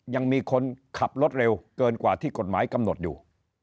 ยังมีคนขับรถเร็วเกินกว่าที่กฎหมายกำหนดอยู่